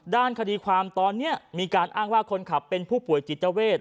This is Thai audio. ด้านคดีความตอนนี้มีการอ้างว่าคนขับเป็นผู้ป่วยจิตเวท